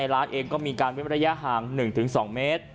ร้านเองก็มีการเว้นระยะห่าง๑๒เมตร